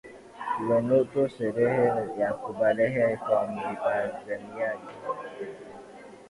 Eunoto sherehe ya kubalehe kwa mpiganaji